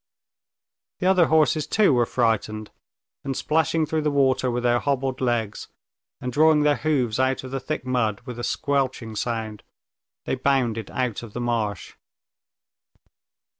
The other horses too were frightened, and splashing through the water with their hobbled legs, and drawing their hoofs out of the thick mud with a squelching sound, they bounded out of the marsh.